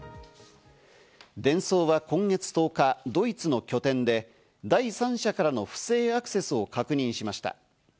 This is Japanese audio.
デンソーは今月１０日、ドイツの拠点で第三者からの不正アクセスを確認しました。